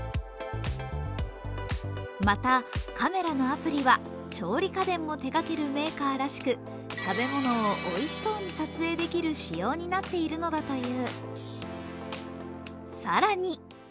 また、カメラのアプリは調理家電も手がけるメーカーらしく食べ物をおいしそうに撮影できる仕様になっているのだという。